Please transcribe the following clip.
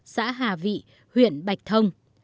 xã hà vị huyện bạch thông